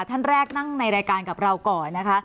ท่านแรกนั่งในรายการกับเราก่อนนะคะ